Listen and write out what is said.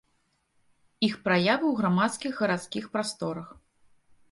Іх праявы ў грамадскіх гарадскіх прасторах.